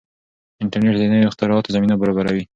انټرنیټ د نویو اختراعاتو زمینه برابروي.